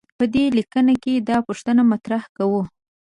په دې لیکنه کې دا پوښتنه مطرح کوو.